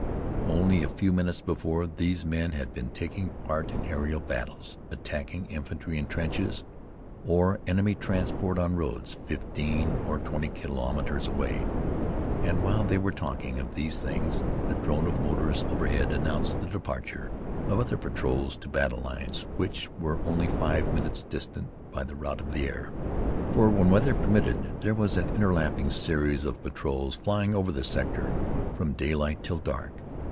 Only a few minutes before, these men had been taking part in aerial battles, attacking infantry in trenches, or enemy transport on roads fifteen or twenty kilometres away. And while they were talking of these things the drone of motors overhead announced the departure of other patrols to battle lines which were only five minutes distant by the route of the air. For when weather permitted there was an interlapping series of patrols flying over the sector from daylight till dark.